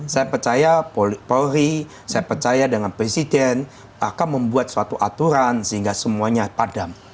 saya percaya polri saya percaya dengan presiden akan membuat suatu aturan sehingga semuanya padam